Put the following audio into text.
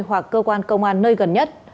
hoặc cơ quan công an nơi gần nhất